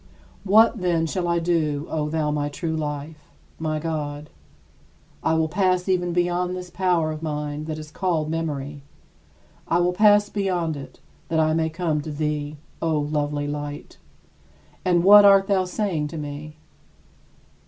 What, then, shall I do, O thou my true life, my God? I will pass even beyond this power of mine that is called memory I will pass beyond it, that I may come to thee, O lovely Light. And what art thou saying to me?